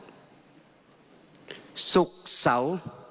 สุขเสา